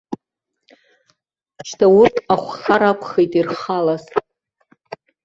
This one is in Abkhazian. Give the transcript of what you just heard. Шьҭа урҭ ахәхар акәхеит ирхалаз.